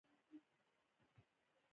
د اتومي نمبر بدلون مومي .